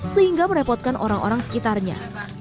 sehingga merepotkan orang orang sekitarnya